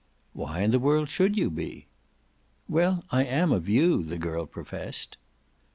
"Why in the world should you be?" "Well, I am of you," the girl professed.